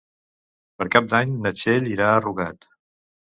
Per Cap d'Any na Txell irà a Rugat.